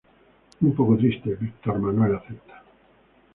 Un poco triste, Víctor Manuel acepta.